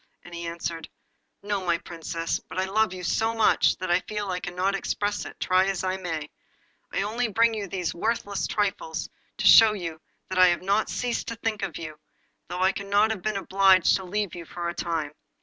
And he answered 'No, my Princess; but I love you so much that I feel I cannot express it, try as I may. I only bring you these worthless trifles to show that I have not ceased to think of you, though I have been obliged to leave you for a time.